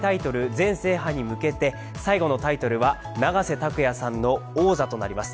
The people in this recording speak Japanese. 全制覇に向けて、最後のタイトルは永瀬拓矢さんの王座となります。